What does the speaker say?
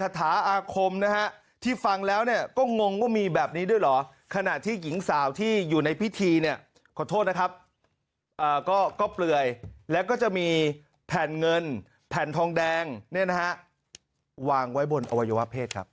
คาถาอาคมนะฮะที่ฟังแล้วเนี่ยก็งงว่ามีแบบนี้ด้วยเหรอขณะที่หญิงสาวที่อยู่ในพิธีเนี่ยขอโทษนะครับก็เปลือยแล้วก็จะมีแผ่นเงินแผ่นทองแดงเนี่ยนะฮะวางไว้บนอวัยวะเพศครับ